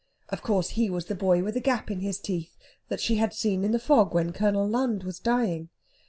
Of course, he was the boy with the gap in his teeth that she had seen in the fog when Colonel Lund was dying.